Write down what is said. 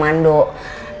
maksudnya biar satu komando